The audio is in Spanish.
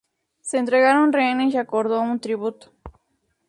Se entregaron rehenes y acordó un tributo.